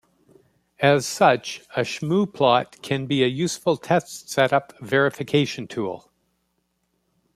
As such, a shmoo plot can be a useful test setup verification tool.